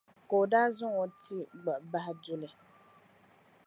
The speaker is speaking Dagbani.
ka o daa zaŋ o ti gbuɣi bahi duli.